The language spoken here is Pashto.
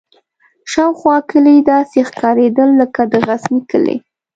شاوخوا کلي داسې ښکارېدل لکه د غزني کلي.